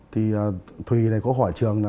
thì thùy này có hỏi trường